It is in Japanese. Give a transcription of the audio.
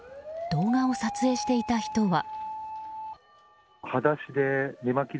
動画を撮影していた人は。